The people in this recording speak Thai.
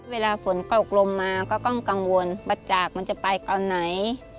เวลาฝนเกาะกรมมาก็ต้องกังวลบัจจากมันจะไปก่อนไหน